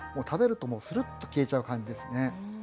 食べるともうするっと消えちゃう感じですね。